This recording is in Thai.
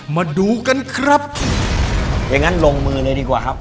มาดูกันครับอย่างงั้นลงมือเลยดีกว่าครับ